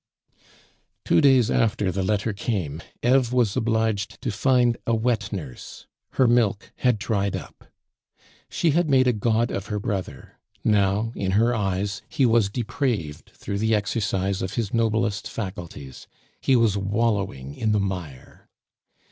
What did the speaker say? Two days after the letter came, Eve was obliged to find a wet nurse; her milk had dried up. She had made a god of her brother; now, in her eyes, he was depraved through the exercise of his noblest faculties; he was wallowing in the mire.